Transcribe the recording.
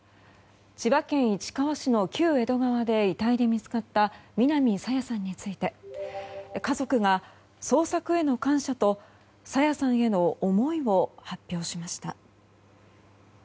千葉県市川市の旧江戸川で遺体で見つかった南朝芽さんについて家族が捜索への感謝と朝芽さんへの思いを発表しました。